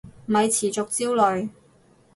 咪持續焦慮